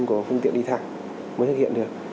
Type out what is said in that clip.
của phương tiện đi thẳng mới thực hiện được